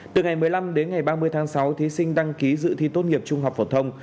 từ ngày một mươi năm đến ngày ba mươi tháng sáu thí sinh đăng ký dự thi tốt nghiệp trung học phổ thông